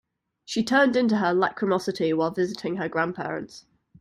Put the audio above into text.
She turned into her lachrymosity while visiting her grandparents.